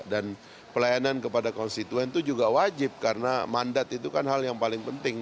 dan pelayanan kepada konstituen itu juga wajib karena mandat itu kan hal yang paling penting